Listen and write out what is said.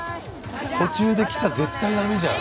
途中で着ちゃ絶対ダメじゃん。